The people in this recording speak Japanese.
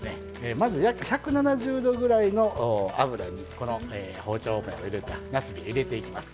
まず約１７０℃ぐらいの油にこの包丁目を入れたなすびを入れていきます。